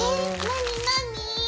何何？